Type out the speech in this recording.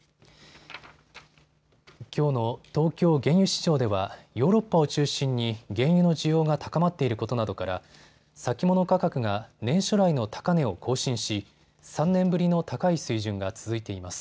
きょうの東京原油市場ではヨーロッパを中心に原油の需要が高まっていることなどから先物価格が年初来の高値を更新し、３年ぶりの高い水準が続いています。